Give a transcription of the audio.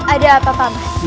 ada apa pak